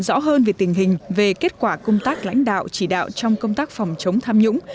rõ hơn về tình hình về kết quả công tác lãnh đạo chỉ đạo trong công tác phòng chống tham nhũng